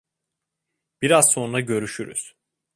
Biraz sonra görüşürüz.